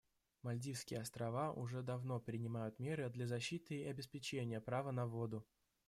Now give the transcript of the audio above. Мальдивские Острова уже давно принимают меры для защиты и обеспечения права на воду.